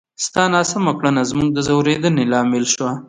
ستا ناسمه کړنه زموږ د ځورېدنې لامل شوه!